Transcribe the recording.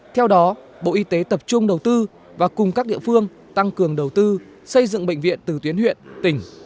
theo đó bộ y tế tập trung đầu tư và cùng các địa phương tăng cường đầu tư xây dựng bệnh viện từ tuyến huyện tỉnh